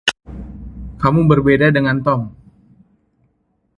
Kamu berbeda dengan Tom.